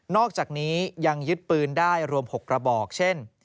อกจากนี้ยังยึดปืนได้รวม๖กระบอกเช่น